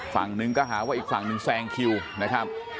ฝั่งหนึ่งก็หาว่าอีกฝั่งหนึ่งแซงคิวนะครับ